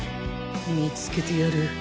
見つけてやる。